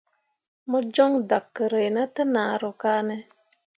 Mo jon dakerre na te nahro kane ?